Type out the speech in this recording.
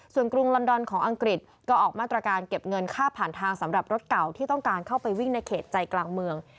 ส่วนกรุงลอนดอนของอังกฤษก็ออกมาตรการเก็บเงินค่าผ่านทางสำหรับรถเก่าที่ต้องการเข้าไปวิ่งในเขตใจกลางเมือง